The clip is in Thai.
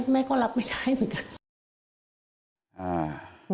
แม่ก็รับไม่ได้เหมือนกัน